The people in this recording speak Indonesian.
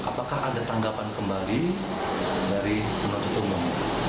apakah ada tanggapan kembali dari penuntut umum